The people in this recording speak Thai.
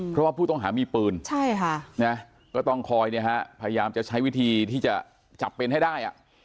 เพราะว่าผู้ต้องหามีปืนก็ต้องคอยพยายามจะใช้วิธีที่จะจับเป็นให้ได้